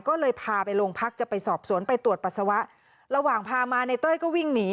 ก็เลยพาไปโรงพักจะไปสอบสวนไปตรวจปัสสาวะระหว่างพามาในเต้ยก็วิ่งหนี